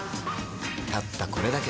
たったこれだけ。